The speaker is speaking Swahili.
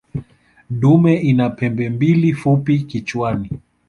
Dume ina pembe mbili fupi kichwani.